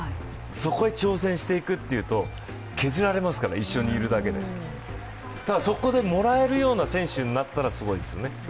そこへ挑戦していくというと削られますから、一緒にいるだけでそこでもらえるような選手になったらすごいですよね。